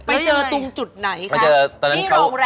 ไปเจอตรงจุดไหนค่ะที่โรงแรมไปเจอตรงจุดไหนค่ะไปเจอตรงจุดไหนค่ะ